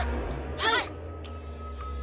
はい！